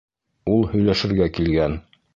Ул һөйләшергә килгән.